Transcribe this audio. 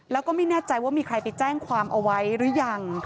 แล้วก็ไม่แน่ใจว่ามีใครไปแจ้งความเอาไว้หรือยัง